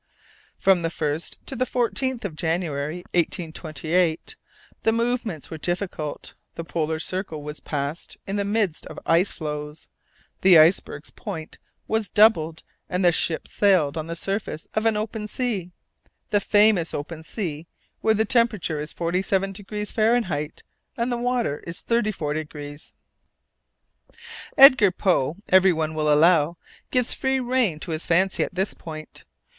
From the 1st to the 14th of January, 1828, the movements were difficult, the polar circle was passed in the midst of ice floes, the icebergs' point was doubled and the ship sailed on the surface of an open sea the famous open sea where the temperature is 47° Fahrenheit, and the water is 34°. Edgar Poe, every one will allow, gives free rein to his fancy at this point.